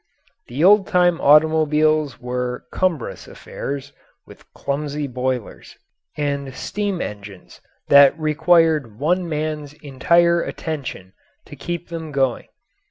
The old time automobiles were cumbrous affairs, with clumsy boilers, and steam engines that required one man's entire attention to keep them going.